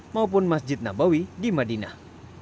maupun masjid nabawi di madinah